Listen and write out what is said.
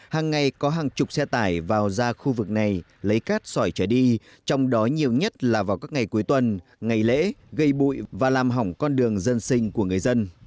hàng ngày có hàng chục xe tải vào ra khu vực này lấy cát sỏi trở đi trong đó nhiều nhất là vào các ngày cuối tuần ngày lễ gây bụi và làm hỏng con đường dân sinh của người dân